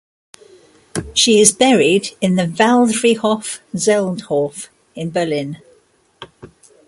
She is buried in the Waldfriedhof Zehlendorf in Berlin.